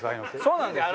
そうなんですよね。